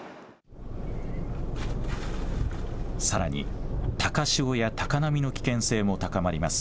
さらに、高潮や高波の危険性も高まります。